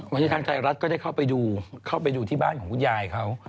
วันนี้ทางไทยรัฐก็ได้เข้าไปดูเข้าไปดูที่บ้านของคุณยายเขา